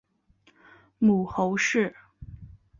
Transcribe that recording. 母侯氏。